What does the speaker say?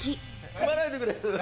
踏まないでくれる？